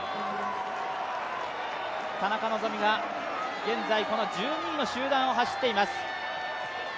田中希実は現在１２位の集団を走っています。